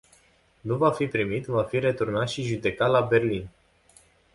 Nu va fi primit, va fi returnat și judecat la Berlin.